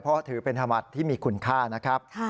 เพราะถือเป็นธรรมที่มีคุณค่านะครับ